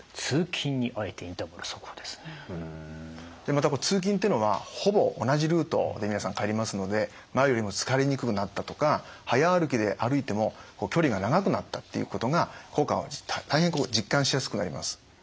また通勤というのはほぼ同じルートで皆さん帰りますので「前よりも疲れにくくなった」とか「早歩きで歩いても距離が長くなった」っていうことが効果を大変実感しやすくなります。